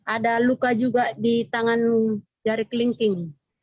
ada luka juga di tangan jari kelingking